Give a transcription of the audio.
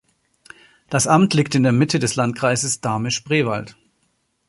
Das Amt liegt in der Mitte des Landkreises Dahme-Spreewald.